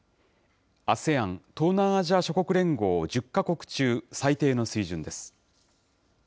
ＡＳＥＡＮ・東南アジア諸国連合１０か国中、最低の水準です。